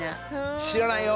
知らないよ！